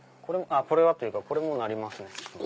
これはというかこれも鳴りますね。